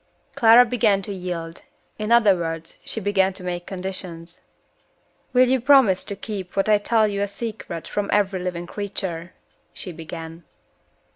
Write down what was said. Clara began to yield. In other words, she began to make conditions. "Will you promise to keep what I tell you a secret from every living creature?" she began.